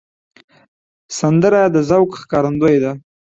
سندره د ذوق ښکارندوی ده